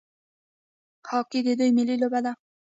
هاکي د دوی ملي لوبه ده.